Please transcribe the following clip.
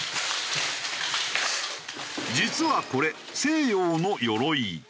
実はこれ西洋の鎧。